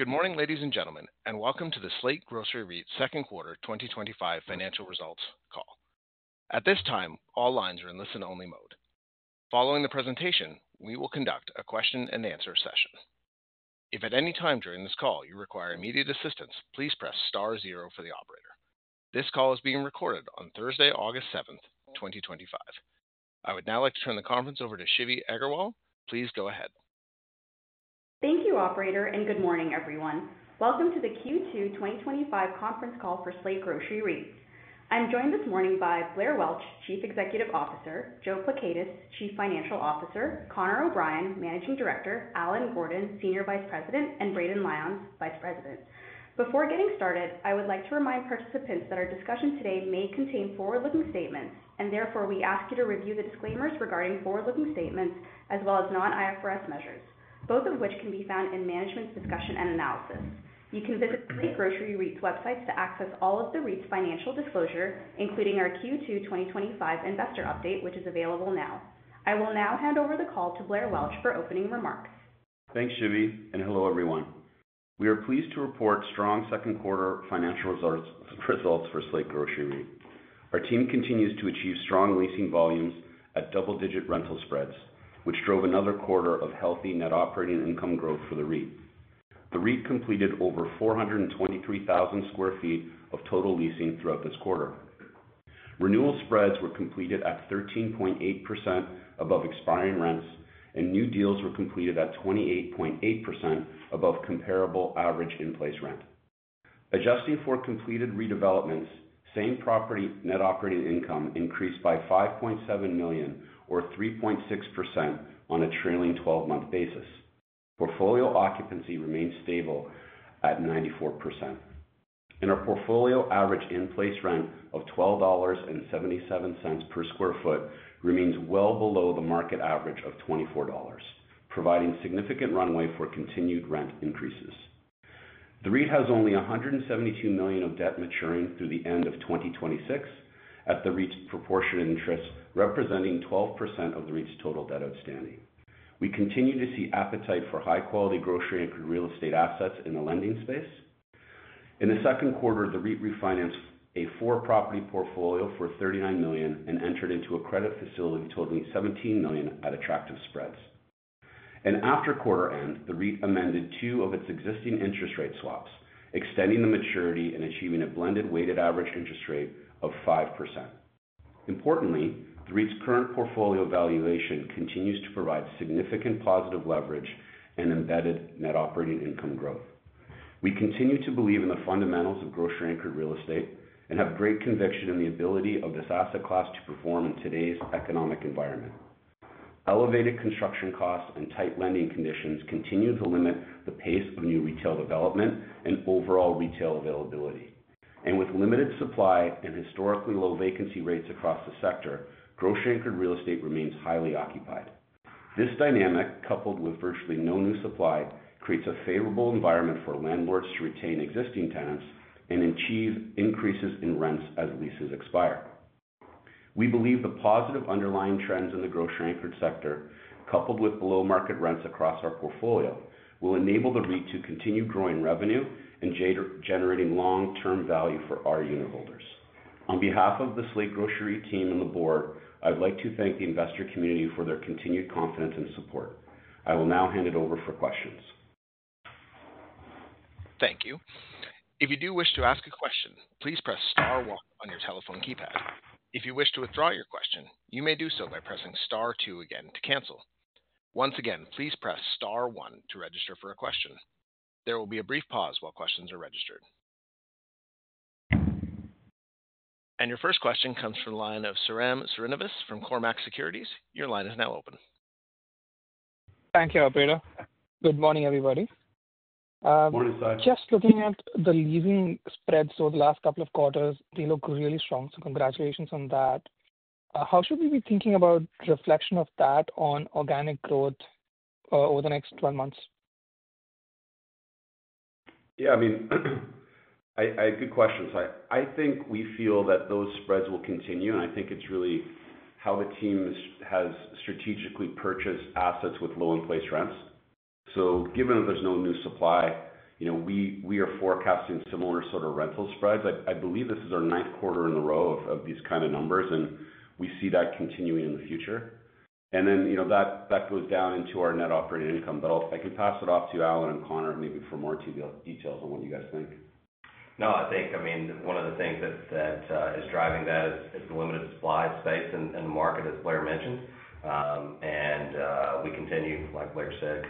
Good morning, ladies and gentlemen, and welcome to the Slate Grocery Second Quarter 2025 Financial Results Call. At this time, all lines are in listen-only mode. Following the presentation, we will conduct a question-and-answer session. If at any time during this call you require immediate assistance, please press Star, zero for the operator. This call is being recorded on Thursday, August 7th, 2025. I would now like to turn the conference over to Shivi Agarwal. Please go ahead. Thank you, operator, and good morning, everyone. Welcome to the Q2 2025 conference call for Slate Grocery REIT. I'm joined this morning by Blair Welch, Chief Executive Officer, Joe Pleckaitis, Chief Financial Officer, Connor O'Brien, Managing Director, Allen Gordon, Senior Vice President, and Braden Lyons, Vice President. Before getting started, I would like to remind participants that our discussion today may contain forward-looking statements, and therefore we ask you to review the disclaimers regarding forward-looking statements as well as non-IFRS measures, both of which can be found in management's discussion and analysis. You can visit the Slate's website to access all of the REIT's financial disclosure, including our Q2 2025 investor update, which is available now. I will now hand over the call to Blair Welch for opening remarks. Thanks, Shivi, and hello, everyone. We are pleased to report strong second quarter financial results for Slate Grocery. Our team continues to achieve strong leasing volumes at double-digit rental spreads, which drove another quarter of healthy net operating income growth for the REIT. The REIT completed over 423,000 sq ft of total leasing throughout this quarter. Renewal spreads were completed at 13.8% above expiring rents, and new deals were completed at 28.8% above comparable average in-place rent. Adjusting for completed redevelopments, same property net operating income increased by $5.7 million or 3.6% on a trailing 12-month basis. Portfolio occupancy remains stable at 94%. Our portfolio average in-place rent of $12.77 per sq ft remains well below the market average of $24, providing significant runway for continued rent increases. The REIT has only $172 million of debt maturing through the end of 2026 at the REIT's proportionate interest, representing 12% of the REIT's total debt outstanding. We continue to see appetite for high-quality grocery-anchored real estate assets in the lending space. In the second quarter, the REIT refinanced a four-property portfolio for $39 million and entered into a credit facility totaling $17 million at attractive spreads. After quarter end, the REIT amended two of its existing interest rate swaps, extending the maturity and achieving a blended weighted average interest rate of 5%. Importantly, the REIT's current portfolio valuation continues to provide significant positive leverage and embedded net operating income growth. We continue to believe in the fundamentals of grocery-anchored real estate and have great conviction in the ability of this asset class to perform in today's economic environment. Elevated construction costs and tight lending conditions continue to limit the pace of new retail development and overall retail availability. With limited supply and historically low vacancy rates across the sector, grocery-anchored real estate remains highly occupied. This dynamic, coupled with virtually no new supply, creates a favorable environment for landlords to retain existing tenants and achieve increases in rents as leases expire. We believe the positive underlying trends in the grocery-anchored sector, coupled with below-market rents across our portfolio, will enable the REIT to continue growing revenue and generating long-term value for our unitholders. On behalf of the Slate Grocery team and the board, I'd like to thank the investor community for their continued confidence and support. I will now hand it over for questions. Thank you. If you do wish to ask a question, please press Star, one on your telephone keypad. If you wish to withdraw your question, you may do so by pressing Star, two again to cancel. Once again, please press Star, one to register for a question. There will be a brief pause while questions are registered. Your first question comes from the line of Sairam Srinivas from Cormark Securities. Your line is now open. Thank you, operator. Good morning, everybody. Just looking at the leasing spreads over the last couple of quarters, they look really strong, so congratulations on that. How should we be thinking about the reflection of that on organic growth over the next 12 months? Yeah, I mean, I had good questions. I think we feel that those spreads will continue, and I think it's really how the team has strategically purchased assets with low in-place rents. Given that there's no new supply, you know, we are forecasting similar sort of rental spreads. I believe this is our ninth quarter in a row of these kinds of numbers, and we see that continuing in the future. That goes down into our net operating income, but I can pass it off to Allen and Connor maybe for more details on what you guys think. I think one of the things that is driving that is the limited supply space in the market, as Blair mentioned. We continue, like Blair said,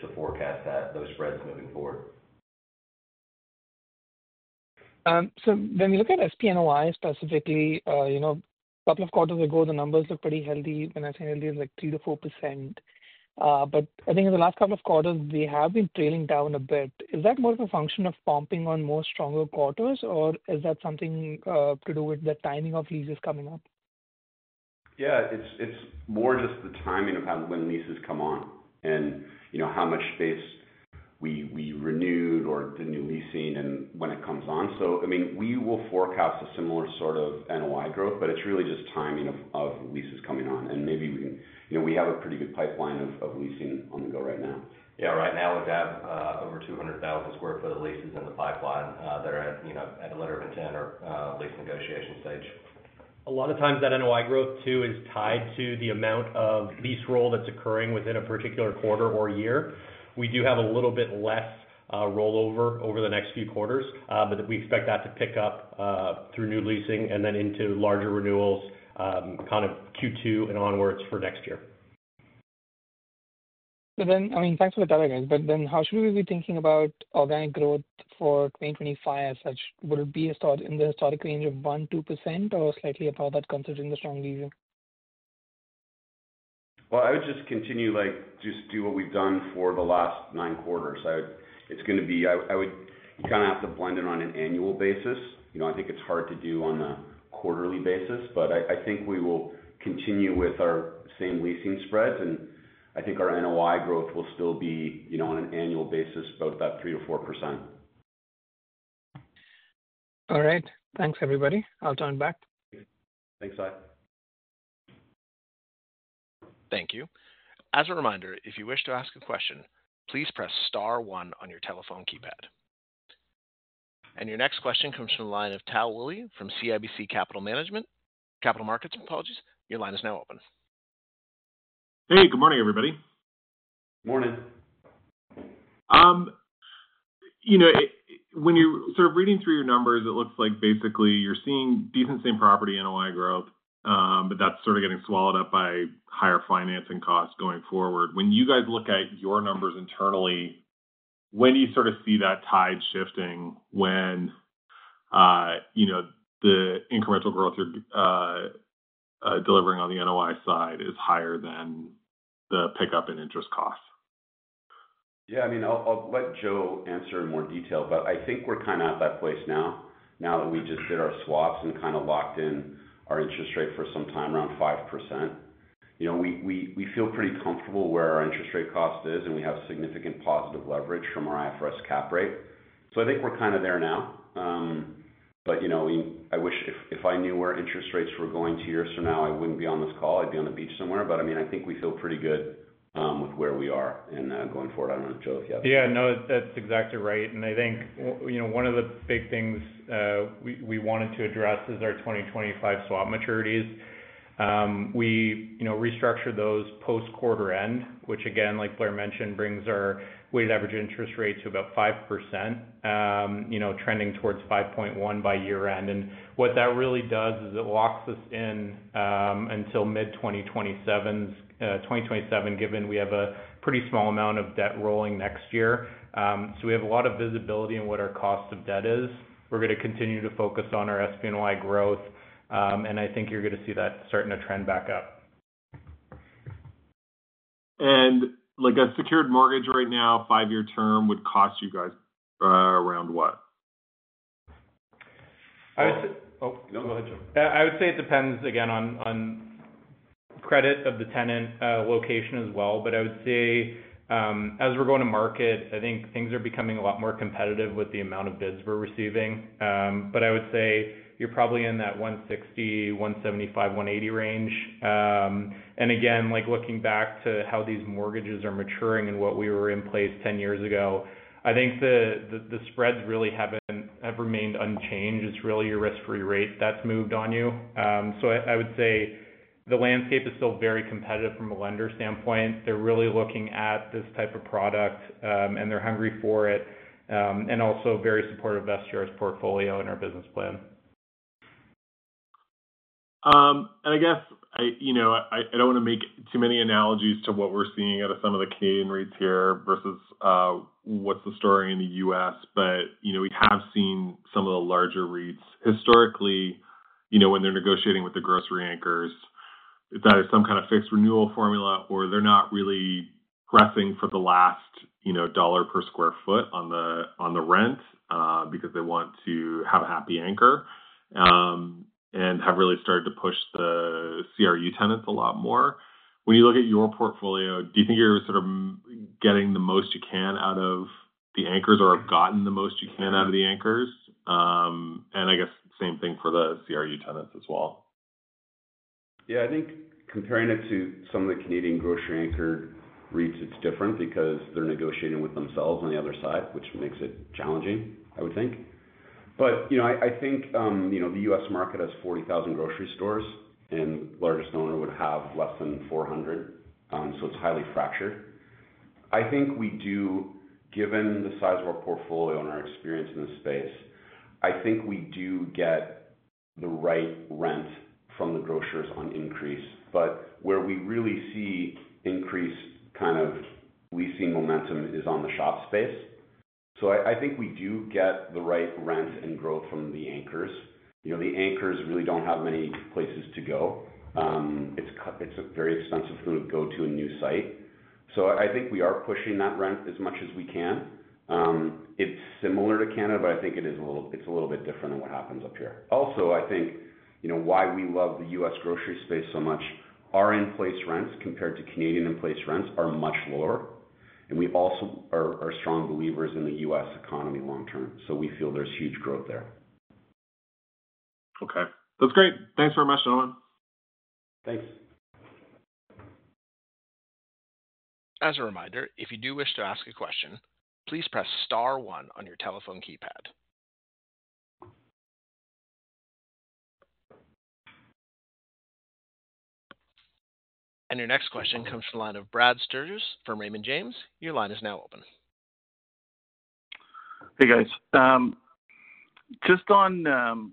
to forecast those spreads moving forward. When we look at SPNOI specifically, a couple of quarters ago, the numbers looked pretty healthy. When I say healthy, it's like 3%-4%. I think in the last couple of quarters, they have been trailing down a bit. Is that more of a function of comping on more stronger quarters, or is that something to do with the timing of leases coming up? Yeah, it's more just the timing of when leases come on and, you know, how much space we renewed or the new leasing and when it comes on. We will forecast a similar sort of NOI growth, but it's really just timing of leases coming on. Maybe we can, you know, we have a pretty good pipeline of leasing on the go right now. Right now we have over 200,000 sq ft of leases in the pipeline that are at a letter of intent or lease negotiation stage. A lot of times that NOI growth, too, is tied to the amount of lease roll that's occurring within a particular quarter or year. We do have a little bit less rollover over the next few quarters, but we expect that to pick up through new leasing and then into larger renewal kind of Q2 and onwards for next year. Thank you for the delegates, but how should we be thinking about organic growth for 2025 as such? Would it be in the historic range of 1%-2% or slightly above that, considering the strong leasing? I would just continue, just do what we've done for the last nine quarters. It's going to be, you kind of have to blend it on an annual basis. I think it's hard to do on a quarterly basis, but I think we will continue with our same leasing spreads, and I think our NOI growth will still be, on an annual basis, about 3%4%. All right, thanks, everybody. I'll turn it back. Thanks, Sai. Thank you. As a reminder, if you wish to ask a question, please press Star, one on your telephone keypad. Your next question comes from the line of Tal Woolley from CIBC Capital Markets. Your line is now open. Hey, good morning, everybody. Morning. When you're sort of reading through your numbers, it looks like basically you're seeing decent same property NOI growth, but that's sort of getting swallowed up by higher financing costs going forward. When you guys look at your numbers internally, when do you sort of see that tide shifting, when the incremental growth you're delivering on the NOI side is higher than the pickup in interest costs? Yeah, I mean, I'll let Joe answer in more detail, but I think we're kind of at that place now, now that we just did our swaps and kind of locked in our interest rate for some time around 5%. We feel pretty comfortable where our interest rate cost is, and we have significant positive leverage from our IFRS cap rate. I think we're kind of there now. I wish if I knew where interest rates were going two years from now, I wouldn't be on this call. I'd be on the beach somewhere. I think we feel pretty good with where we are and going forward. I don't know, Joe, if you have. Yeah, no, that's exactly right. I think one of the big things we wanted to address is our 2025 swap maturities. We restructured those post-quarter end, which, like Blair mentioned, brings our weighted average interest rate to about 5%, trending towards 5.1% by year end. What that really does is it locks us in until mid-2027, given we have a pretty small amount of debt rolling next year. We have a lot of visibility in what our cost of debt is. We're going to continue to focus on our SPNOI growth. I think you're going to see that starting to trend back up. A secured mortgage right now, five-year term, would cost you guys around what? Go ahead, Joe. I would say it depends again on credit of the tenant, location as well. I would say as we're going to market, I think things are becoming a lot more competitive with the amount of bids we're receiving. I would say you're probably in that 160, 175, 180 range. Again, looking back to how these mortgages are maturing and what we were in place 10 years ago, I think the spreads really haven't remained unchanged. It's really your risk-free rate that's moved on you. I would say the landscape is still very competitive from a lender standpoint. They're really looking at this type of product and they're hungry for it. Also, very supportive of Slate's portfolio and our business plan. I guess, you know, I don't want to make too many analogies to what we're seeing out of some of the Canadian REITs here versus what's the story in the U.S. We have seen some of the larger REITs historically, you know, when they're negotiating with the grocery anchors, if that is some kind of fixed renewal formula or they're not really pressing for the last dollar per sq ft on the rent because they want to have a happy anchor and have really started to push the CRU tenants a lot more. When you look at your portfolio, do you think you're sort of getting the most you can out of the anchors or have gotten the most you can out of the anchors? I guess same thing for the CRU tenants as well. I think comparing it to some of the Canadian grocery-anchored REITs, it's different because they're negotiating with themselves on the other side, which makes it challenging, I would think. The U.S. market has 40,000 grocery stores and the largest owner would have less than 400. It's highly fractured. Given the size of our portfolio and our experience in this space, I think we do get the right rent from the grocers on increase. Where we really see increase in leasing momentum is on the shop space. I think we do get the right rent and growth from the anchors. The anchors really don't have many places to go. It's very expensive for them to go to a new site. I think we are pushing that rent as much as we can. It's similar to Canada, but I think it's a little bit different than what happens up here. Also, why we love the U.S. grocery space so much, our in-place rents compared to Canadian in-place rents are much lower. We also are strong believers in the U.S. economy long term. We feel there's huge growth there. Okay, that's great. Thanks very much, gentlemen. Thanks. As a reminder, if you do wish to ask a question, please press Star, one on your telephone keypad. Your next question comes from the line of Brad Sturges from Raymond James. Your line is now open. Hey, guys. Just going on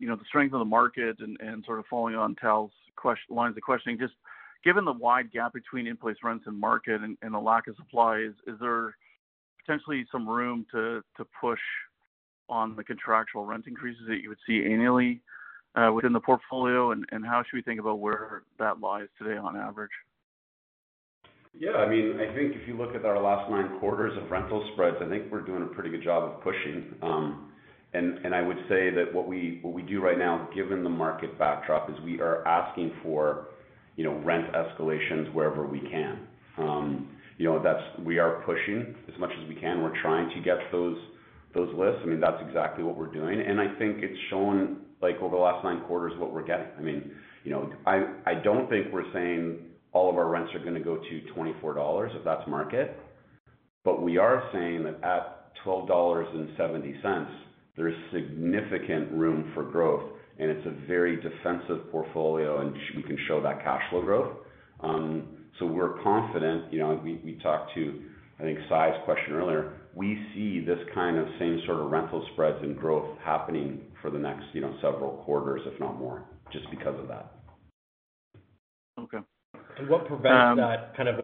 the strength of the market and sort of following on Tal's lines of questioning, just given the wide gap between in-place rents and market and the lack of supply, is there potentially some room to push on the contractual rent increases that you would see annually within the portfolio? How should we think about where that lies today on average? Yeah, I mean, I think if you look at our last nine quarters of rental spreads, I think we're doing a pretty good job of pushing. I would say that what we do right now, given the market backdrop, is we are asking for, you know, rent escalations wherever we can. We're pushing as much as we can. We're trying to get to those lists. I mean, that's exactly what we're doing. I think it's shown, like, over the last nine quarters what we're getting. I mean, I don't think we're saying all of our rents are going to go to $24 if that's market. We are saying that at $12.70, there's significant room for growth. It's a very defensive portfolio, and we can show that cash flow growth. We're confident, you know, we talked to, I think, Sy's question earlier. We see this kind of same sort of rental spreads and growth happening for the next, you know, several quarters, if not more, just because of that. Okay. What prevents that kind of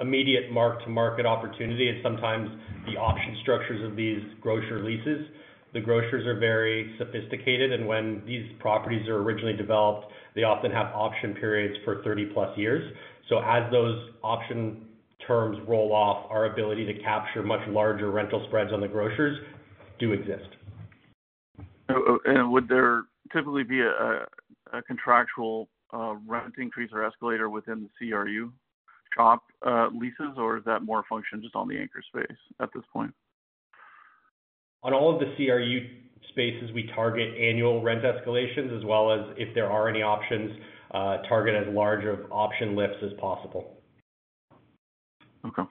immediate mark-to-market opportunity is sometimes the option structures of these grocer leases. The grocers are very sophisticated, and when these properties are originally developed, they often have option periods for 30+ years. As those option terms roll off, our ability to capture much larger rental spreads on the grocers does exist. Would there typically be a contractual rent increase or escalator within the CRU shop leases, or is that more function just on the anchor space at this point? On all of the CRU spaces, we target annual rent escalations, as well as, if there are any options, target as large of option lifts as possible. Okay,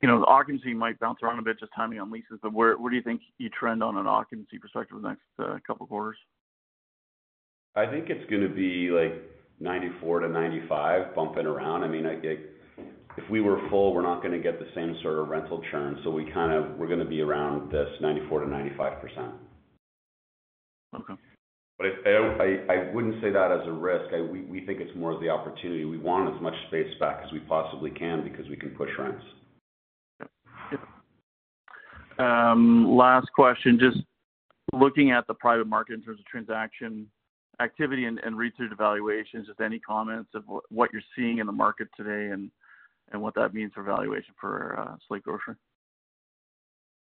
the occupancy might bounce around a bit, just timing on leases, but where do you think you trend on an occupancy perspective in the next couple of quarters? I think it's going to be like 94%-95%, bumping around. I mean, if we were full, we're not going to get the same sort of rental trend. We're going to be around this 94%-95%. Okay. I wouldn't say that as a risk. We think it's more of the opportunity. We want as much space back as we possibly can because we can push rents. Yep. Last question, just looking at the private market in terms of transaction activity and research evaluations, any comments of what you're seeing in the market today and what that means for valuation for Slate Grocery?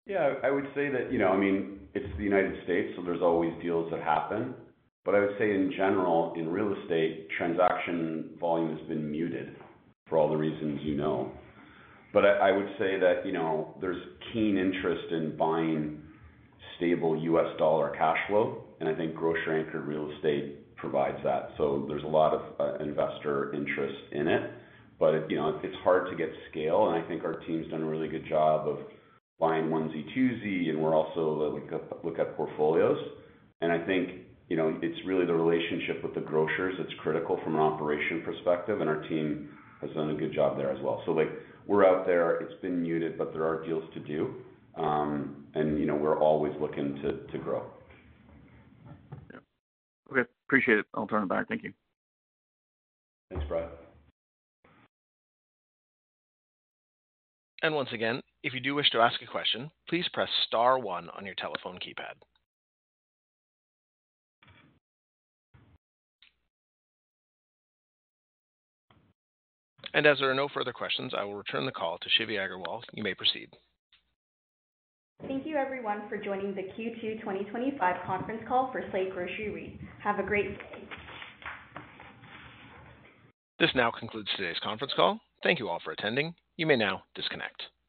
Yeah, I would say that, you know, I mean, it's the United States., so there's always deals that happen. I would say in general, in real estate, transaction volume has been muted for all the reasons you know. I would say that, you know, there's keen interest in buying stable U.S. dollar cash flow, and I think grocery-anchored real estate provides that. There's a lot of investor interest in it. It's hard to get scale, and I think our team's done a really good job of buying onesie-twosie, and we're also like looking at portfolios. I think, you know, it's really the relationship with the grocers that's critical from an operation perspective, and our team has done a good job there as well. We're out there, it's been muted, but there are deals to do. You know, we're always looking to grow. Yeah, okay, appreciate it. I'll turn it back. Thank you. Thanks, Brad. If you do wish to ask a question, please press Star, one on your telephone keypad. As there are no further questions, I will return the call to Shivi Agarwal. You may proceed. Thank you, everyone, for joining the Q2 2025 conference call for Slate Grocery REIT. Have a great day. This now concludes today's conference call. Thank you all for attending. You may now disconnect.